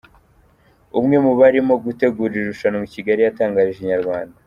Umwe mu barimo gutegura iri rushanwa i Kigali yatangarije Inyarwanda.